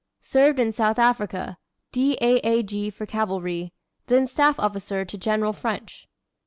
Served in South Africa. D. A. A. G. for cavalry; then staff officer to General French.